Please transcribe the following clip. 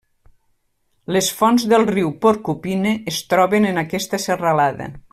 Les fonts del riu Porcupine es troben en aquesta serralada.